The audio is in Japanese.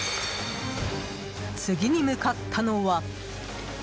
次に向かったのは。